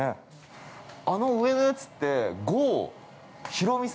あの上のやつってええー